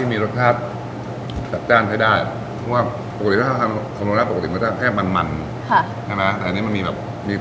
มีริคอตต้าอยู่ข้างใน